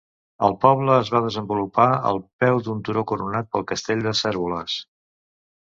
El poble es va desenvolupar al peu d'un turó coronat pel castell de Cérvoles.